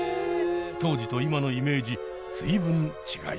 当時と今のイメージ随分違います。